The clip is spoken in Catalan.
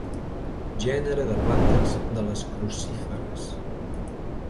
Gènere de plantes de les crucíferes.